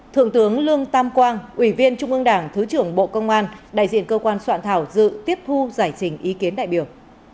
thượng tướng lương tam quang ủy viên trung ương đảng thứ trưởng bộ công an đại diện cơ quan soạn thảo dự tiếp thu giải trình ý kiến đại biểu